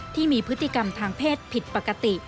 ที่มีพฤติกรรมทางเพศผิดปกติ